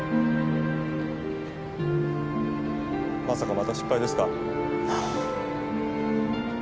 まさかまた失敗ですか？